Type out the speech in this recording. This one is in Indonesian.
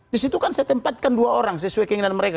di situ kan saya tempatkan dua orang sesuai keinginan mereka